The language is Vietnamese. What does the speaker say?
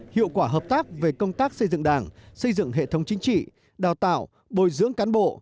hiệu quả hợp tác về công tác xây dựng đảng xây dựng hệ thống chính trị đào tạo bồi dưỡng cán bộ